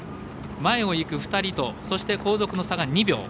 前を行く２人とそして、後続の差が２秒。